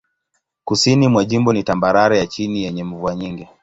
Kusini mwa jimbo ni tambarare ya chini yenye mvua nyingi.